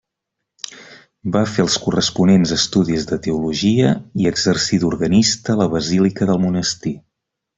Va fer els corresponents estudis de Teologia i exercí d'organista a la Basílica del Monestir.